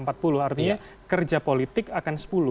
artinya kerja politik akan sepuluh